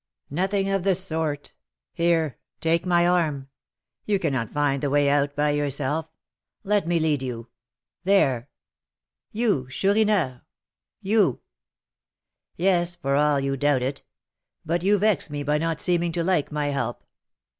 "Nothing of the sort. Here, take my arm; you cannot find the way out by yourself; let me lead you there " "You, Chourineur? You!" "Yes, for all you doubt it; but you vex me by not seeming to like my help.